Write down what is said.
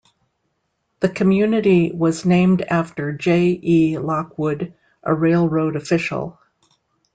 The community was named after J. E. Lockwood, a railroad official.